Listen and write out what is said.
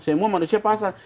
semua manusia pasang